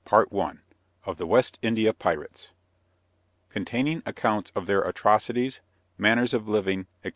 THE WEST INDIA PIRATES _Containing Accounts of their Atrocities, Manners of Living, &c.